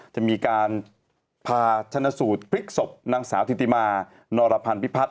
จะมีการพาชนะสูตรพลิกศพนางสาวธิติมานรพันธิพัฒน